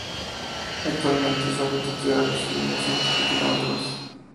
Actualmente su hábitat se ha reducido cientos de kilómetros.